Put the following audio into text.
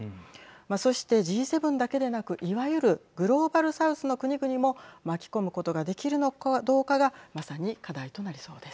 そして、Ｇ７だけでなくいわゆるグローバルサウスの国々も巻き込むことができるのかどうかがまさに課題となりそうです。